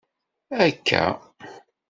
Akka?